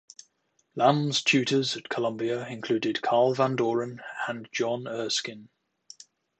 Lamb's tutors at Columbia included Carl Van Doren and John Erskine.